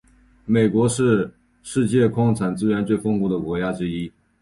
美国是世界矿产资源最丰富的国家之一。